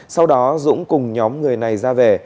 sau đó dũng cùng nhóm người này ra về